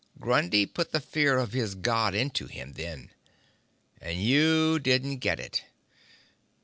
Grundy put the fear of his God into him then. And you didn't get it.